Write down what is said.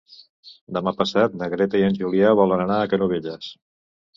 Demà passat na Greta i en Julià volen anar a Canovelles.